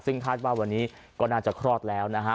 ซึ่งคาดว่าวันนี้ก็น่าจะคลอดแล้วนะฮะ